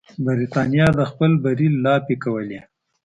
برټانیې د خپل بری لاپې کولې.